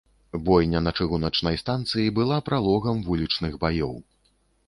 Бойня на чыгуначнай станцыі была пралогам вулічных баёў.